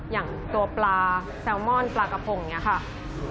อย่างตัวปลาแซลมอนปลากระพงอย่างนี้ค่ะ